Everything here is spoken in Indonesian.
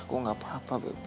aku gak apa apa beb